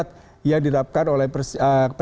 terima kasih atas perhatiannya